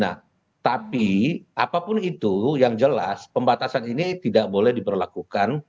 nah tapi apapun itu yang jelas pembatasan ini tidak boleh diberlakukan